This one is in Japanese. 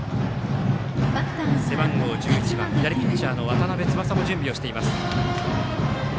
背番号１１番左ピッチャーの渡邉翼も準備をしています。